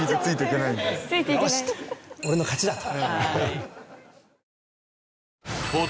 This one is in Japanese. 俺の勝ちだと。